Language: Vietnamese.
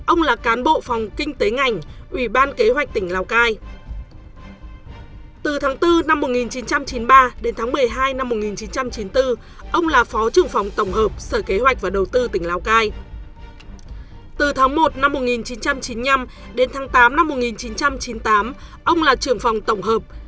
ông nguyễn văn vịnh cựu bí thư tỉnh lào cai quê quán tại xã việt hồng huyện trần yên bái